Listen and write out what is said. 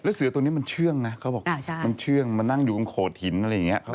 เสือตัวนี้มันเชื่องนะเขาบอกมันเชื่องมันนั่งอยู่ตรงโขดหินอะไรอย่างนี้